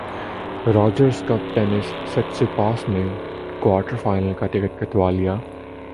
Rogers cup tennis Tsitsipas نے quarter final کا ticket کٹوا لیا